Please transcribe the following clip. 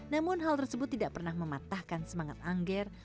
namun hal tersebut tidak pernah mematahkan semangat angger